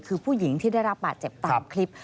คือผู้หญิงที่ได้รับบาดเจ็บตามคลิป